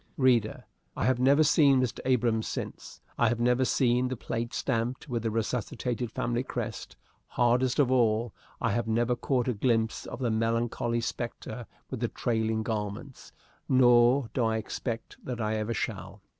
Reader, I have never seen Mr. Abrahams since; I have never seen the plate stamped with the resuscitated family crest; hardest of all, I have never caught a glimpse of the melancholy spectre with the trailing garments, nor do I expect that I ever shall.